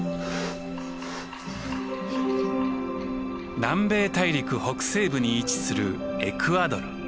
南米大陸北西部に位置するエクアドル。